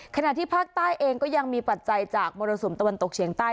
ขณะที่ภาคใต้เองก็ยังมีปัจจัยจากมรสุมตะวันตกเฉียงใต้